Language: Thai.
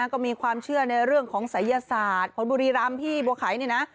ก็มีความเชื่อในเรื่องของศัยศาสตร์คนบุรีรำพี่บัวไข่เนี่ยนะ